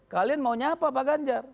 kalian maunya apa pak ganjar